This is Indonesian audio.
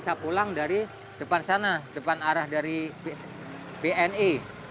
saya pulang dari depan sana depan arah dari bni